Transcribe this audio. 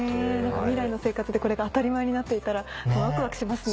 未来の生活でこれが当たり前になっていったらワクワクしますね。